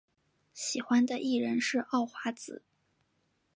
喜欢的艺人是奥华子。